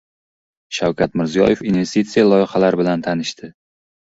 Shavkat Mirziyoyev investitsiya loyihalari bilan tanishdi